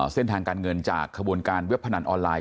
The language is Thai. เส้นทางการเงินจากขบวนการเว็บพนันออนไลน